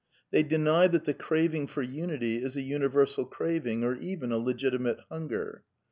They deny that the craving for unity is a uni versal craving, or even a legitimate hunger.